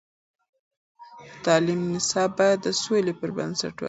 د تعلیم نصاب باید د سولې پر بنسټ وټاکل شي.